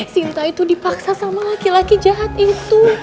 sinta itu dipaksa sama laki laki jahat itu